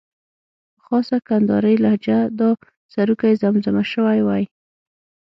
په خاصه کندارۍ لهجه دا سروکی زمزمه شوی وای.